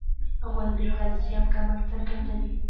غول د کلسیم کمښت څرګندوي.